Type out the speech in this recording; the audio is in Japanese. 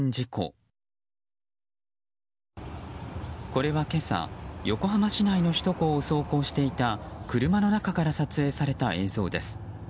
これは今朝、横浜市内の首都高を走行していた車の中から撮影された映像です。